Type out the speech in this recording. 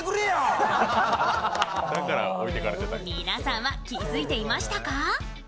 皆さんは気づいていましたか？